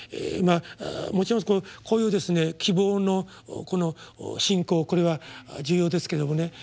もちろんこういう希望のこの信仰これは重要ですけどもね。